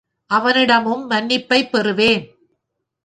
அவனிடமும் மன்னிப்பைப் பெறுவேன்.